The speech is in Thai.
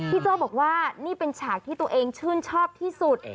โจ้บอกว่านี่เป็นฉากที่ตัวเองชื่นชอบที่สุด